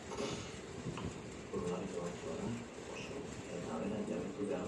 Futbolari dohatsua da oso eta bera jabetu behar da horretaz.